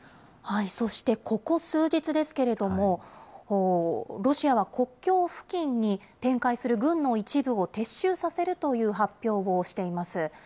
そして、ここ数日ですけれども、ロシアは国境付近に展開する軍の一部を撤収させるという発表をしています。